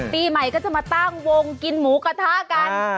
ปีใหม่ก็จะมาตั้งวงกินหมูกระทะกัน